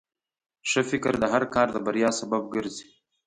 ښه فکر د هر کار د بریا سبب ګرځي.